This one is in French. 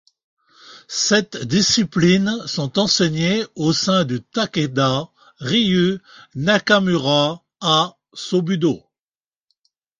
Sept disciplines sont enseignées au sein du Takeda Ryu Nakamura Ha Sobudo.